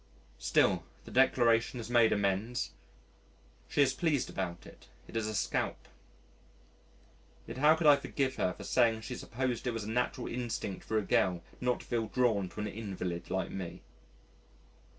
Still the declaration has made amends. She is pleased about it it is a scalp. Yet how can I forgive her for saying she supposed it was a natural instinct for a girl not to feel drawn to an invalid like me.